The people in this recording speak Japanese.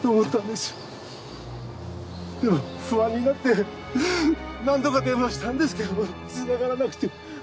でも不安になって何度か電話したんですけどつながらなくて。